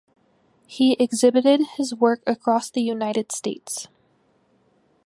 He exhibited his work across the United States.